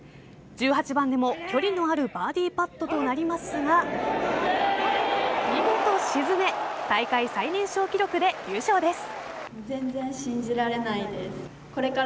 １８番でも距離のあるバーディーパットとなりますが見事沈め大会最年少記録で優勝です。